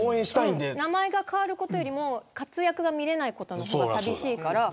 名前が変わることより活躍が見れないことの方が寂しいから。